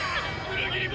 「裏切り者！」